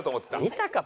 見たか？